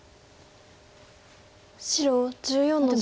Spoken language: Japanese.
白１４の十九。